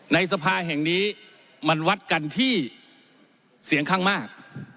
ในสภาแห่งนี้มันวัดกันที่เสียงข้างมาก